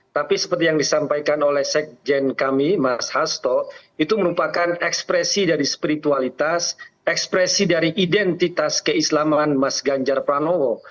tapi seperti yang disampaikan oleh sekjen kami mas hasto itu merupakan ekspresi dari spiritualitas ekspresi dari identitas keislaman mas ganjar pranowo